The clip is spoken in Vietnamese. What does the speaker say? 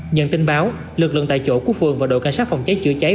nhận tin báo lực lượng tại chỗ của phường và đội cảnh sát phòng cháy chữa cháy